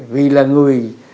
vì là người